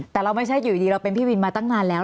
แต่เราไม่ใช่อยู่ดีเราเป็นพี่วินมาตั้งนานแล้ว